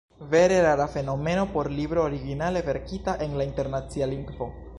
Vere rara fenomeno por libro, originale verkita en la internacia lingvo!